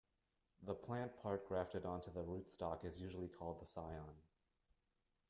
The plant part grafted onto the rootstock is usually called the scion.